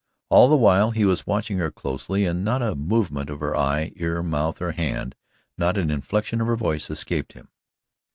All the while he was watching her closely and not a movement of her eye, ear, mouth or hand not an inflection of her voice escaped him.